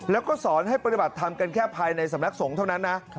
แล้วก็สอนให้ปฏิบัติธรรมกันแค่ภายในสำนักสงฆ์เท่านั้นนะ